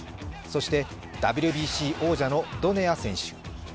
そしてＷＢＣ王者のドネア選手。